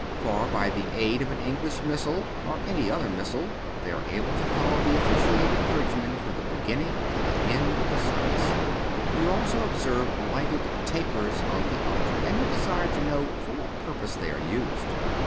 For, by the aid of an English Missal, or any other Manual, they are able to follow the officiating clergyman from the beginning to the end of the service. You also observe lighted tapers on the altar, and you desire to know for what purpose they are used.